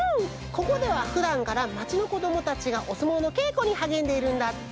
ここではふだんからまちのこどもたちがおすもうのけいこにはげんでいるんだって！